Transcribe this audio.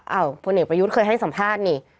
พลเอกประยุทธ์เคยให้สัมภาษณ์นี่